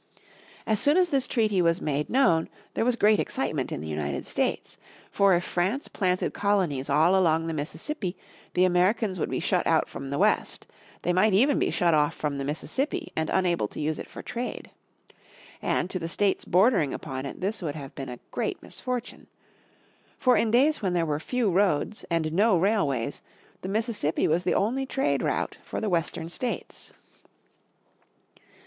As soon as this treaty was made known there was great excitement in the United States. For if France planted colonies all along the Mississippi the Americans would be shut out from the West, they might even be shut off from the Mississippi, and unable to use it for trade. And to the states bordering upon it this would have been a great misfortune. For in days when there were few roads, and no railways, the Mississippi was the only trade route for the Western States.